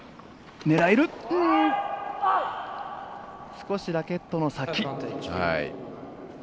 少しラケットの先。